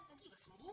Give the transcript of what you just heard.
nanti juga sembuh